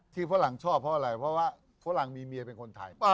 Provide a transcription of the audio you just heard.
ฝรั่งชอบเพราะอะไรเพราะว่าฝรั่งมีเมียเป็นคนไทย